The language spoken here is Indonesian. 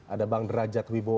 ada bang derajat wibo